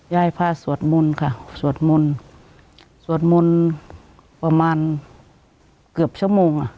ยายพาสวดมนต์ค่ะสวดมนต์สวดมนต์ประมาณเกือบชั่วโมงอ่ะ